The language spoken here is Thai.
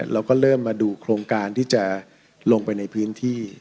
เราก็เริ่มมาดูโครงการที่จะลงไปในพื้นที่